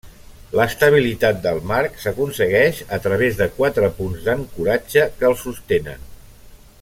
L'estabilitat del marc s'aconsegueix a través de quatre punts d'ancoratge que el sostenen.